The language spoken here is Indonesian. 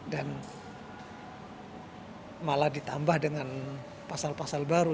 dan malah ditambah dengan pasal pasal baru